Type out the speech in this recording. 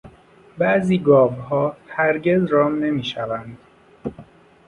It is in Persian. بعضی گاوها هرگز رام نمیشوند.